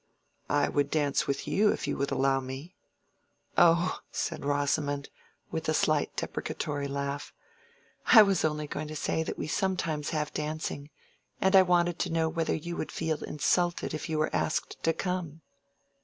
"I would dance with you if you would allow me." "Oh!" said Rosamond, with a slight deprecatory laugh. "I was only going to say that we sometimes have dancing, and I wanted to know whether you would feel insulted if you were asked to come."